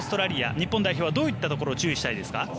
日本代表はどういったところを注意したいですか？